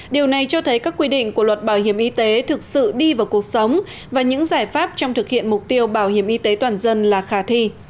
điều này cho thấy các quy định của luật bảo hiểm y tế thực sự đi vào cuộc sống và những giải pháp trong thực hiện mục tiêu bảo hiểm y tế toàn dân là khả thi